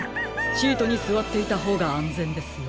シートにすわっていたほうがあんぜんですよ。